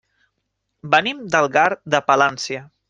Venim d'Algar de Palància.